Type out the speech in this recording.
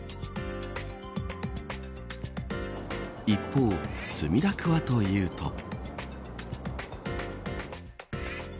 一方、墨田区はというと。